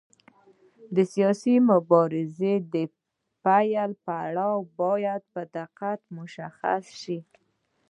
د سیاسي مبارزې د پیل پړاو باید په دقت مشخص شي.